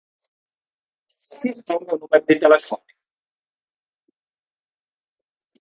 Aqui está o meu número de telefone.